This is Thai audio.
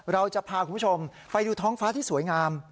เราจะพาคุณผู้ชมไปดูท้องฟ้าที่สวยงาม